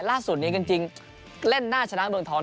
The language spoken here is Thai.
ล่าสุดนี้กันจริงเล่นน่าชนะเมืองทอง